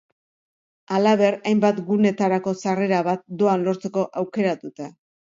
Halaber, hainbat gunetarako sarrera bat doan lortzeko aukera dute.